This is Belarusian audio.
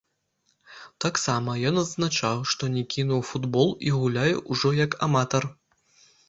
Таксама ён адзначаў, што не кінуў футбол і гуляе ўжо як аматар.